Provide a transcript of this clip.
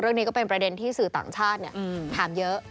เรื่องนี้ก็เป็นประเด็นที่สื่อต่างชาติถามเยอะ